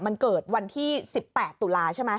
มันเกิดวันที่๑๘ตุลาใช่ไหม